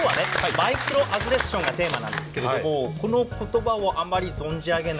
マイクロアグレッションがテーマなんですけどもこの言葉をあまり存じ上げない。